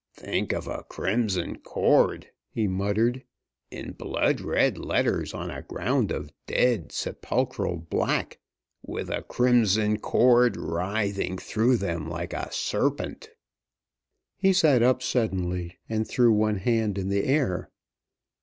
"Think of 'A Crimson Cord,'" he muttered, "in blood red letters on a ground of dead, sepulchral black, with a crimson cord writhing through them like a serpent." He sat up suddenly, and threw one hand in the air.